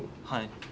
はい。